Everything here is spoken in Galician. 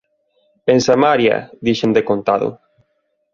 En Samaria! –dixen decontado.